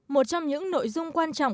một trong những nội dung quan trọng